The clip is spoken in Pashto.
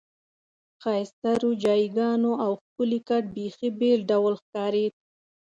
ښایسته روجایانو او ښکلي کټ بیخي بېل ډول ښکارېد.